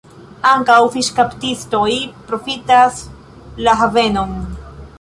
Ankaŭ fiŝkaptistoj profitas la havenon.